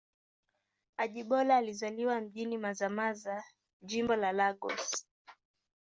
Ajibola alizaliwa mjini Mazamaza, Jimbo la Lagos.